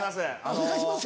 「お願いします」